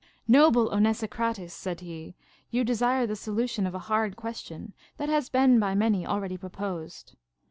Noble Onesicrates, said he, you desire the solution of a hard question, that has been by many already pro posed.